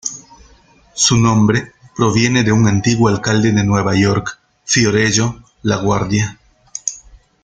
Su nombre proviene de un antiguo alcalde de Nueva York, Fiorello LaGuardia.